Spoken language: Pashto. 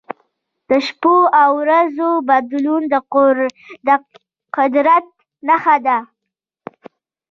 د شپو او ورځو بدلون د قدرت نښه ده.